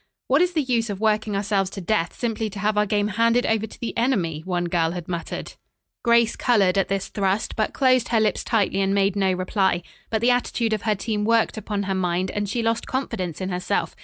"What is the use of working ourselves to death simply to have our game handed over to the enemy?" one girl had muttered. Grace colored at this thrust, but closed her lips tightly and made no reply. But the attitude of her team worked upon her mind, and she lost confidence in herself.